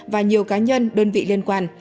và nhiều cá nhân đơn vị liên quan